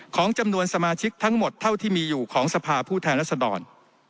ของจำนวนสมาชิกทั้งหมดเท่าที่มีอยู่ของสภาผู้แทนรัศดร